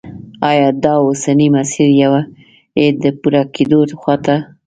آیا دا اوسنی مسیر یې د پوره کېدو خواته